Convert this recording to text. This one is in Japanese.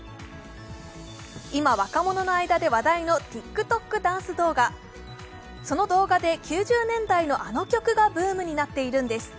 今、若者の間で話題のＴｉｋＴｏｋダンス動画その動画で９０年代のあの曲がブームになっているんです。